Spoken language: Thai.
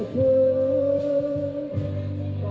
นายยกรัฐมนตรีพบกับทัพนักกีฬาที่กลับมาจากโอลิมปิก๒๐๑๖